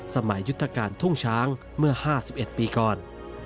สมัยยุทธการทุ่งช้างเมื่อ๕๑ปีก่อน